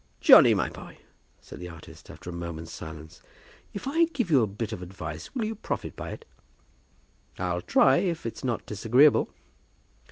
"Johnny, my boy," said the artist, after a moment's silence, "if I give you a bit of advice, will you profit by it?" "I'll try, if it's not disagreeable."